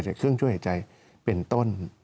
จากเครื่องช่วยหายใจเป็นต้น